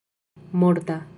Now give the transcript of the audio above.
morta